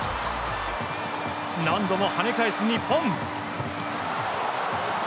何度も跳ね返す日本。